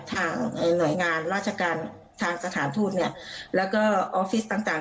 ทางเหนยงานราชการทางสถานทูตเนี่ยแล้วก็ออฟฟิศต่าง